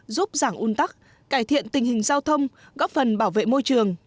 giúp giảm un tắc cải thiện tình hình giao thông góp phần bảo vệ môi trường